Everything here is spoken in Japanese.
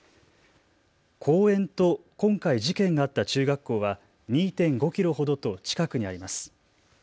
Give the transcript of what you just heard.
公園と今回事件があった中学校は２．５キロほどと近くにあります。